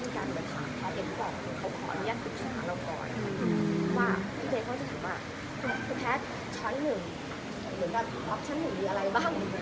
ว่าพี่เบนก็จะถามว่าก็แพทย์ช้อนนึงเอาถึงอันสารหนึ่งอะไรบ้าง